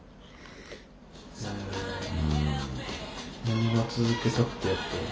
何が続けたくて。